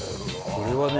これはね